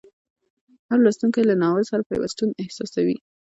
هر لوستونکی له ناول سره پیوستون احساسوي.